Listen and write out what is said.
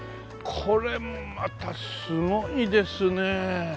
これまたすごいですねえ！